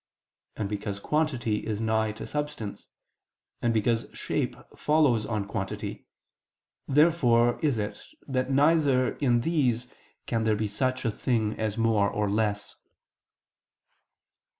And because quantity is nigh to substance, and because shape follows on quantity, therefore is it that neither in these can there be such a thing as more or less.